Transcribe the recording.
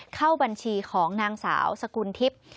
เข้าบัญชีของนางสาวสกุลทิพย์